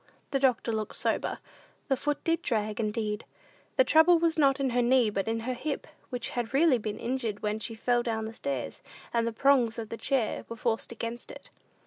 The doctor looked sober. The foot did drag indeed. The trouble was not in her knee, but in her hip, which had really been injured when she fell down stairs, and the "prongs" of the chair were forced against it.